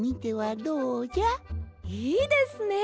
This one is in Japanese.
いいですね！